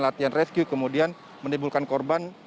latihan rescue kemudian menimbulkan korban